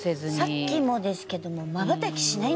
さっきもですけども。